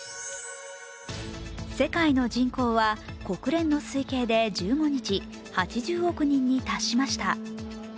世界の人口は国連の推計で１５日、８０億人に達しました。